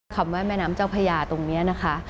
คำว่าแม่น้ำเจ้าพญาตรงนี้นะคะ